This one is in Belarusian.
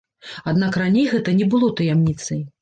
Аднак раней гэта не было таямніцай.